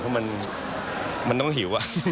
เพราะมันต้องหิว